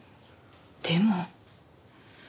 でも。